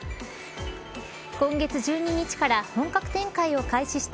今月１２日から本格展開を開始した